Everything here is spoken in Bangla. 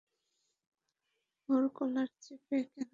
ওর কলার চেপে কেন ধরলি?